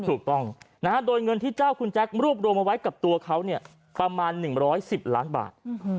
ถูกต้องโดยเงินที่เจ้าคุณแจ๊ครวบรวมเอาไว้กับตัวเขาประมาณ๑๑๐ล้านบาท